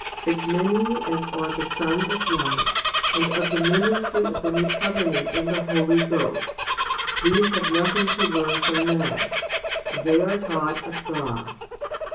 As many as are the sons of light, and of the ministry of the New Covenant in the Holy Ghost, these have nothing to learn from men ; they are taught of God.